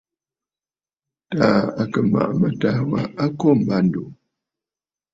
Taà à kɨ̀ màʼa mâtaà wa a kô m̀bândòò.